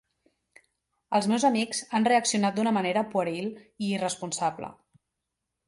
Els meus amics han reaccionat d'una manera pueril i irresponsable.